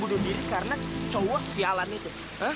kamu mau bunuh diri karena cowok sialan itu